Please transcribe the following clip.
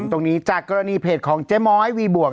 ตรงนี้จากกรณีเพจของเจ๊ม้อยวีบวก